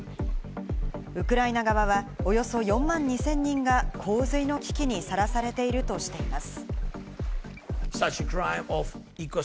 ウクライナ側はおよそ４万２０００人が洪水の危機にさらされているとしています。